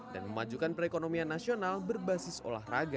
dan memajukan perekonomian nasional berbasis olahraga